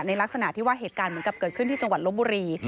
ลักษณะที่ว่าเหตุการณ์เหมือนกับเกิดขึ้นที่จังหวัดลบบุรี